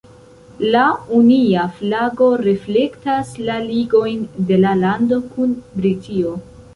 La Unia flago reflektas la ligojn de la lando kun Britio.